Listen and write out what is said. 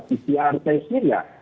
pcr testnya ya